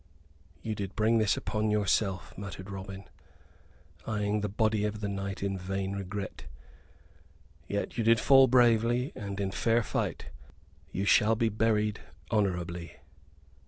"You did bring this upon yourself," muttered Robin, eyeing the body of the knight in vain regret. "Yet you did fall bravely, and in fair fight. You shall be buried honorably."